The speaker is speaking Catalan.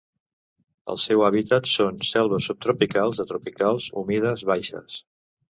El seu hàbitat són selves subtropicals a tropicals humides baixes.